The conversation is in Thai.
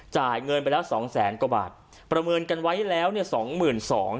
จ่ายเงินไปแล้วสองแสนกว่าบาทประเมินกันไว้แล้วเนี่ยสองหมื่นสอง